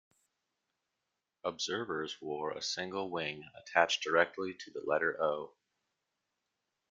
Observers wore a single wing attached directly to the letter "O".